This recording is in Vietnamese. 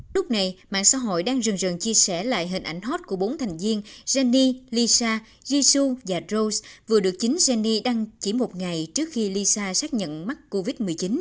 lúc này mạng xã hội đang rừng rừng chia sẻ lại hình ảnh hot của bốn thành viên jennie lisa jisoo và rose vừa được chính jennie đăng chỉ một ngày trước khi lisa xác nhận mắc covid một mươi chín